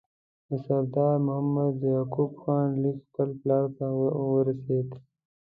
د سردار محمد یعقوب خان لیک خپل پلار ته ورسېد.